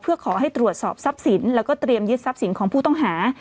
เพื่อขอให้ตรวจสอบทรัพย์สินแล้วก็เตรียมยึดทรัพย์สินของผู้ต้องหา